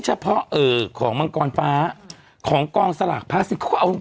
เฉพาะเอ่อของมังกรฟ้าของกองสลากพลาสสิกเขาก็เอา